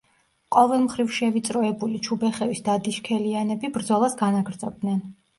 ყოველმხრივ შევიწროებული ჩუბეხევის დადიშქელიანები ბრძოლას განაგრძობდნენ.